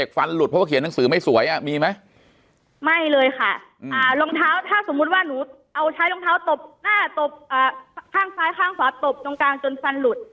ข้างซ้ายข้างขวาตบตรงกลางจนฟันหลุด